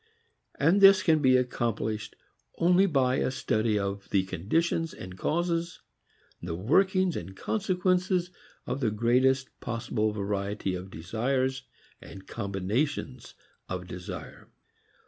And this can be accomplished only by a study of the conditions and causes, the workings and consequences of the greatest possible variety of desires and combinations of desire.